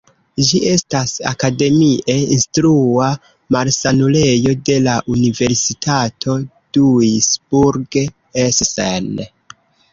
Ĝi estas akademie instrua malsanulejo de la Universitato Duisburg-Essen.